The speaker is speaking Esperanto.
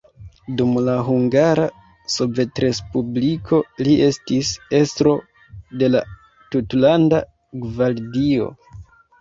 Dum la Hungara Sovetrespubliko li estis estro de la tutlanda gvardio.